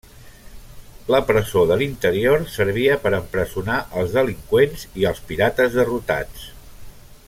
La presó de l'interior servia per empresonar als delinqüents i als pirates derrotats.